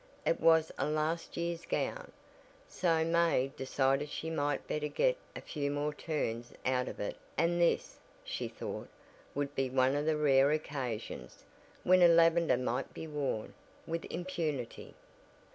It was a "last year's" gown, so May decided she might better get a few more turns out of it and this, she thought, would be one of the rare occasions, when a lavender might be worn, "with impunity."